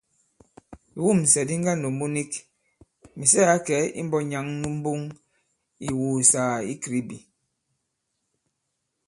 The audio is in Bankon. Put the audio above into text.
Ìwûmsɛ̀ di ŋgandòmbu nik, Mìsɛ ǎ kɛ̀ imbɔ̄k nyǎŋ nu mboŋ ì ìwùùsàgà i Kribi.